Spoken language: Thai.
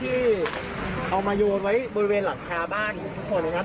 ที่เอามาโยนไว้บริเวณหลังคาบ้านทุกคนนะครับ